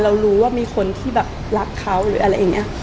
เรารู้ว่ามีคนที่แบบรักเขาหรืออะไรอย่างนี้